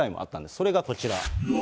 それがこちら。